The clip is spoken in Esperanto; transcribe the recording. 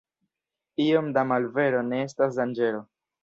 Iom da malvero ne estas danĝero.